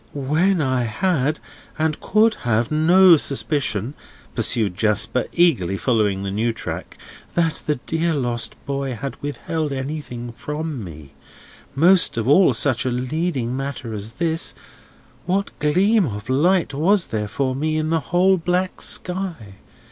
"When I had, and could have, no suspicion," pursued Jasper, eagerly following the new track, "that the dear lost boy had withheld anything from me—most of all, such a leading matter as this—what gleam of light was there for me in the whole black sky?